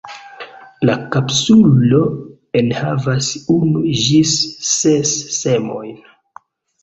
La kapsulo enhavas unu ĝis ses semojn.